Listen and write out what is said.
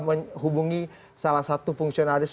menghubungi salah satu fungsionalis